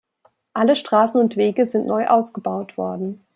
Alle Straßen und Wege sind neu ausgebaut worden.